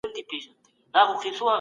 تر ماپښینه وو